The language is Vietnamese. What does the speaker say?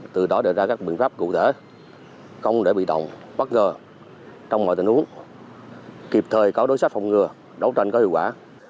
từ đó đề ra các biện pháp cụ thể không để bị động bất ngờ trong mọi tình huống kịp thời có đối sách phòng ngừa đấu tranh có hiệu quả